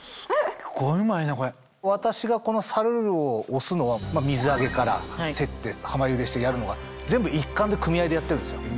私がこの沙留を推すのは水揚げから競って浜ゆでしてやるのが全部一貫で組合でやってるんですよ。